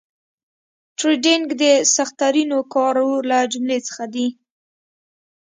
ټریډینګ د سخترینو کارو له جملې څخه دي